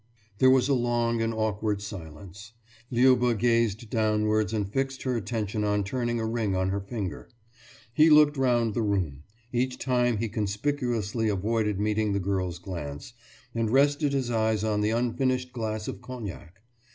« There was a long and awkward silence. Liuba gazed downwards and fixed her attention on turning a ring on her finger. He looked round the room; each time be conspicuously avoided meeting the girl's glance, and rested his eyes on the unfinished glass of cognac.